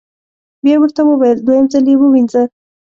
بیا یې ورته وویل: دویم ځل یې ووینځه.